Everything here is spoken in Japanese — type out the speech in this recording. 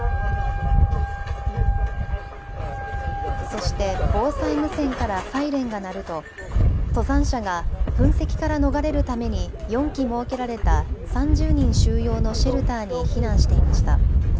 そして防災無線からサイレンが鳴ると登山者が噴石から逃れるために４基設けられた３０人収容のシェルターに避難していました。